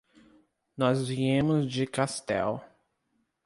Nós viemos de Castell.